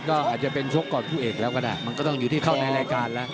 ก็อาจจะเป็นชกก่อนคู่เอกแล้วก็ได้มันก็ต้องอยู่ที่เข้าในรายการแล้ว